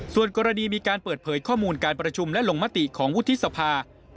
ส่วนกรณีมีการเปิดเผยข้อมูลการประชุมและลงมติของวุฒิสภา